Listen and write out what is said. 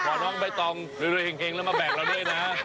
ขอน้องใบตองเร็วเห็นแล้วมาแบกเราด้วยนะ